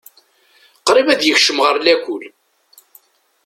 Qrib ad yekcem ɣer lakul.